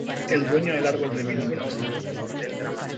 El dueño del árbol le vino a protestar.